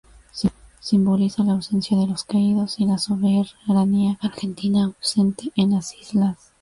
Simboliza la ausencia de los caídos y la soberanía argentina ausente en las islas.